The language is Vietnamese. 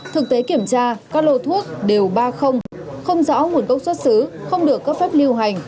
thực tế kiểm tra các lô thuốc đều ba không rõ nguồn gốc xuất xứ không được cấp phép lưu hành